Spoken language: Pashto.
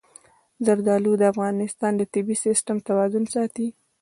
زردالو د افغانستان د طبعي سیسټم توازن ساتي.